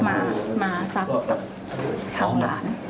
มาซักกับผักหลาน